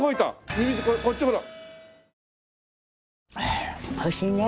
ミミズクこっちほら。